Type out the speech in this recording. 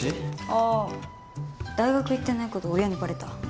ああ大学行ってない事親にバレた。